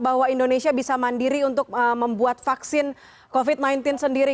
bahwa indonesia bisa mandiri untuk membuat vaksin covid sembilan belas sendiri